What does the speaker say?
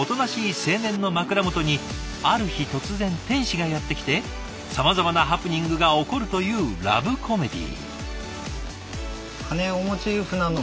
青年の枕元にある日突然天使がやって来てさまざまなハプニングが起こるというラブコメディー。